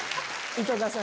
井戸田さん